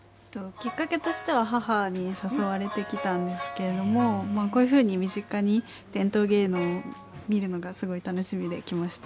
きっかけとしては母に誘われて来たんですけれども、こういうふうに身近に伝統芸能を見るのがすごい楽しみで来ました。